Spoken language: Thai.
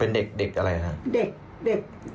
เป็นเด็กอะไรครับ